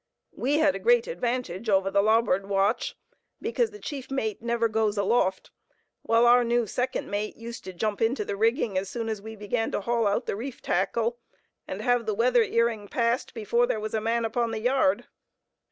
We had a great advantage over the larboard watch, because the chief mate never goes aloft, while our new second mate used to jump into the rigging as soon as we began to haul out the reef tackle, and have the weather earing passed before there was a man upon the yard.